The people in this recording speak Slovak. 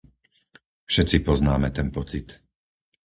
Všetci poznáme ten pocit.